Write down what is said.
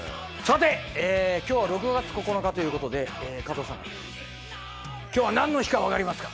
今日は６月９日ということで、加藤さん、今日は何の日かわかりますか？